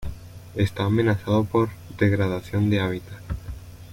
Está amenazado por degradación de hábitat.